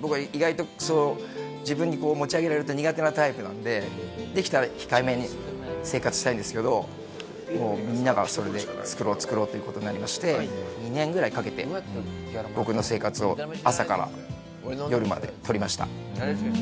僕は意外と自分に持ち上げられると苦手なタイプなのでできたら控えめに生活したいんですけどみんながそれで「作ろう作ろう」という事になりまして２年ぐらいかけて僕の生活を朝から夜まで撮りました。